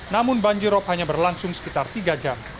namun banjir rop hanya berlangsung sekitar tiga jam